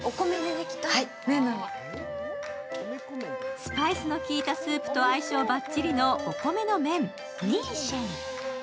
スパイスの効いたスープと相性バッチリのお米の麺・ミーシェン。